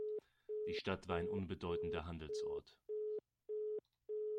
Die Stadt war ein unbedeutender Handelsort.